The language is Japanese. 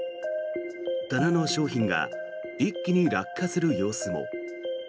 棚の商品が一気に落下する様子も。